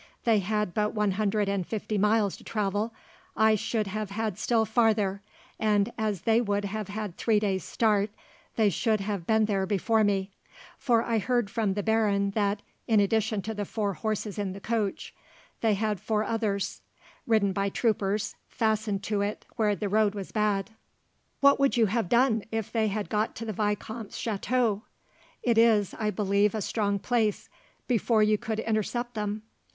They had but one hundred and fifty miles to travel, I should have had still farther; and, as they would have had three days' start, they should have been there before me; for I heard from the baron that, in addition to the four horses in the coach, they had four others, ridden by troopers, fastened to it where the road was bad." "What would you have done if they had got to the vicomte's chateau it is, I believe, a strong place before you could intercept them?"